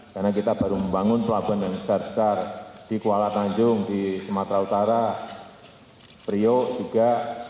karena kita baru membangun pelabuhan yang besar besar di kuala tanjung di sumatera utara priok juga